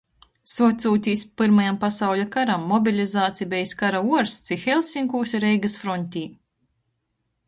Suocūtīs Pyrmajam pasauļa karam, mobilizāts i bejs kara uorsts i Helsinkūs, i Reigys froņtē.